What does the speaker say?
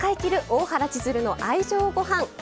大原千鶴の愛情ごはん」。